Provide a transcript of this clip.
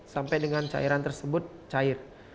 sampai dengan cairan tersebut cair